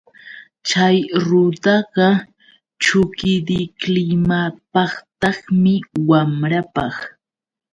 Chay rudaqa chukidiklimapaqtaqmi, wayrapaq.